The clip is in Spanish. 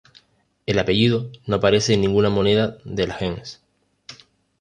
El apellido no aparece en ninguna moneda de la gens.